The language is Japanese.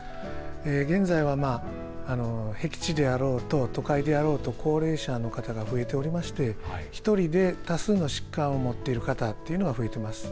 現在はへき地であろうと都会であろうと高齢者の方が増えておりまして１人で多数の疾患を持っている方というのが増えています。